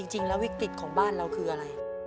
จริงแล้ววิกฤตของบ้านของเราคืออะไร